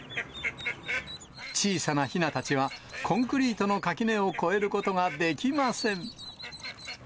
小さなひなたちは、コンクリートの垣根を越えることができません。